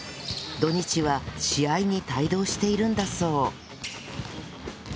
土日は試合に帯同しているんだそう